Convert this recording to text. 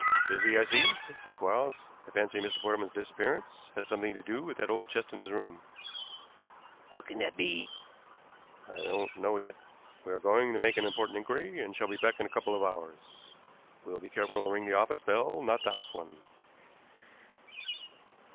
"Busy, I see," said Quarles. "I fancy Mr. Portman's disappearance has something to do with that old chest in his room." "How can that be?" "I don't know yet. We are going to make an important inquiry and shall be back in a couple of hours. We'll be careful to ring the office bell, not the house one."